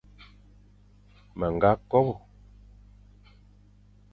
Me ñga kobe,